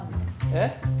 えっ？